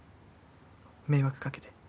迷惑かけて。